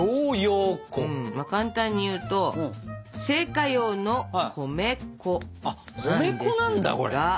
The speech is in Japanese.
簡単にいうと製菓用の米粉なんですが。